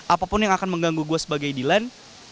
apapun yang akan mengganggu gue sebagai dilan